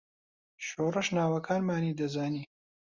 شۆڕش ناوەکانمانی دەزانی.